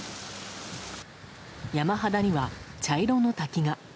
山肌には茶色の滝が。